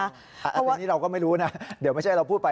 อันนี้เราก็ไม่รู้นะเดี๋ยวไม่ใช่เราพูดไป